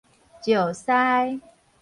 石獅